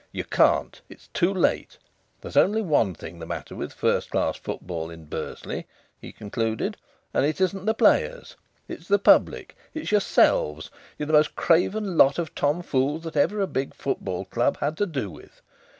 You can't! It's too late. There's only one thing the matter with first class football in Bursley," he concluded, "and it isn't the players. It's the public it's yourselves. You're the most craven lot of tom fools that ever a big football club had to do with.